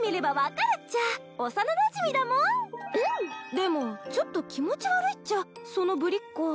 でもちょっと気持ち悪いっちゃそのぶりっ子。